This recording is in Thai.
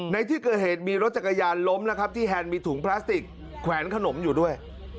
ในที่เกิดเหตุมีรถจักรยานล้มนะครับที่แฮนด์มีถุงพลาสติกแขวนขนมอยู่ด้วย